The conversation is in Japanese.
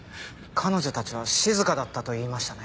彼女たちは静かだったと言いましたね？